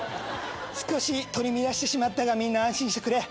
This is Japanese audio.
少し取り乱してしまったがみんな安心してくれ。